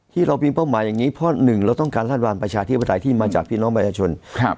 เรามีเป้าหมายอย่างนี้เพราะหนึ่งเราต้องการรัฐบาลประชาธิปไตยที่มาจากพี่น้องประชาชนครับ